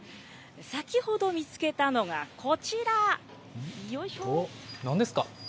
先ほど見つけたのが、こちら、よなんですか？